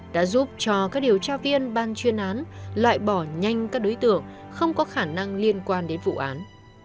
đã giúp cho các điều tra viên ban chuyên án loại bỏ nhanh các đối tượng không có khả năng liên quan đến vụ án